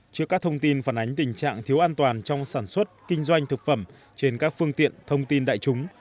trước các thông tin phản ánh tình trạng thiếu an toàn trong sản xuất kinh doanh thực phẩm trên các phương tiện thông tin đại chúng